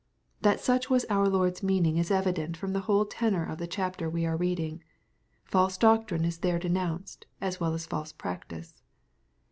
That such was our Lord's meaning is evident from the whole tenor of the chapter we are reading. False doctrine is there denounced as well as false practice.